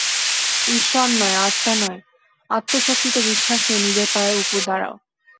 ঈশ্বর নয়, আত্মা নয়, আত্মশক্তিতে বিশ্বাস নিয়ে নিজের পায়ের উপর দাঁড়াও।